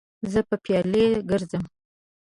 زه به پیالې ګرځوم.